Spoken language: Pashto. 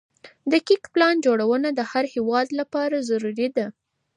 دقيق پلان جوړونه د هر هيواد لپاره ضروري ده.